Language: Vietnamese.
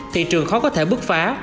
thị trường khó có thể bước phá